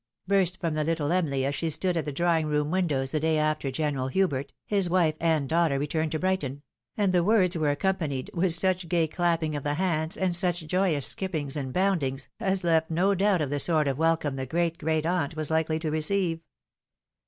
" burst from the little Emily, as she stood at the drawing room windows the day after General Hubert, his wife, and daughter, returned to Brighton ; and the words were accompanied with such gay clapping of the hands, and such joyous skippings and boundings, as left no doubt of the sort of welcome the great great aunt was likely to receive.